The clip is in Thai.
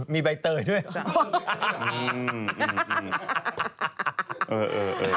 มีใบเตยด้วย